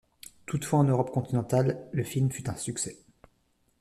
Toutefois, en Europe continentale, le film fut un succès.